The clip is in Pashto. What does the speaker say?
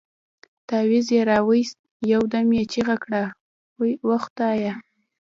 تاويز يې راوايست يو دم يې چيغه کړه وه خدايه.